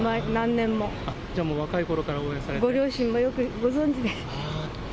じゃあもう、若いころから応ご両親もよくご存じで。